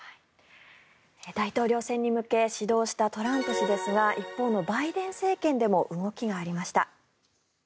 大統領選に向け始動したトランプ氏ですが一方のバイデン政権でも動きがありました。